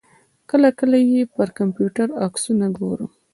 کله کله یې پر کمپیوټر عکسونه ګورم.